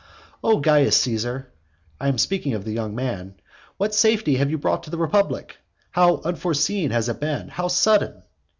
XI. O Caius Caesar, (I am speaking of the young man,) what safety have you brought to the republic! How unforeseen has it been! how sudden!